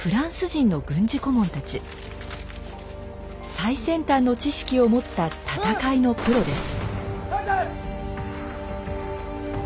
最先端の知識を持った戦いのプロです。